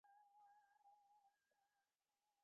অতিথি মোসাফির এলে মসজিদে থাকে।